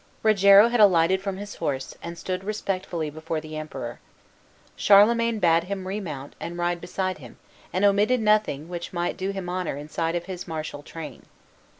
Rogero had alighted from his horse, and stood respectfully before the Emperor. Charlemagne bade him remount and ride beside him; and omitted nothing which might do him honor in sight of his martial train.